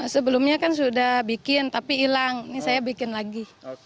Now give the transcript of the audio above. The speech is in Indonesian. sebelumnya kan sudah bikin tapi hilang ini saya bikin lagi